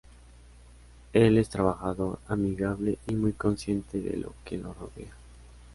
Él es trabajador, amigable, y muy consciente de lo que lo rodea.